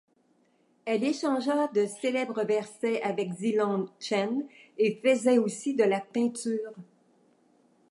Elle échangea de célèbres versets avec Zilong Chen, et faisait aussi de la peinture.